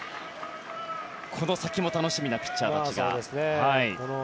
この先も楽しみなピッチャーたちが。